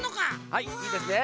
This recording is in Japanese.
はいいいですね。